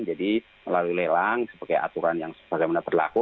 jadi melalui lelang sebagai aturan yang sebagaimana berlaku